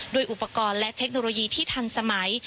ด้วยอุปกรณ์และเทคโนโลยีที่ทันสมัย